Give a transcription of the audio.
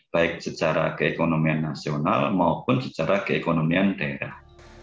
baik secara keekonomian nasional maupun secara keekonomian daerah